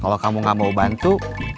kalau kamu gak mau bantu